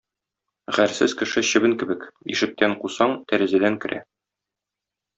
Гарьсез кеше чебен кебек: ишектән кусаң, тәрәзәдән керә.